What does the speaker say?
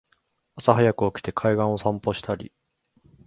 朝はやく起きて海岸を散歩したり